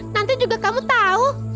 nanti juga kamu tahu